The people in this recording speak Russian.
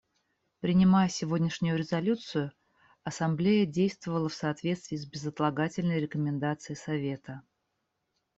Принимая сегодняшнюю резолюцию, Ассамблея действовала в соответствии с безотлагательной рекомендацией Совета.